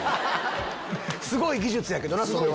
すごい技術やけどなそれは。